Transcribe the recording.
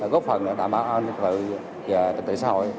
góp phần đã đảm bảo tương tự và tương tự xã hội